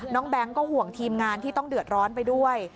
แก๊งก็ห่วงทีมงานที่ต้องเดือดร้อนไปด้วย